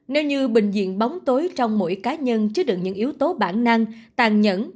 nếu như bình diện bóng tối trong mỗi cá nhân chứa được những yếu tố bản năng tàn nhẫn